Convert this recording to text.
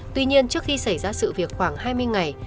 tuy nhiên trước khi xảy ra sự việc khoảng hai mươi ngày